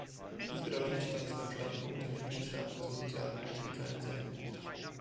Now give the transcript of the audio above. Dies bedeutet, dass es beim Standpunkt der Mitgliedstaaten zur Sozialpolitik keinen Zweifel gibt.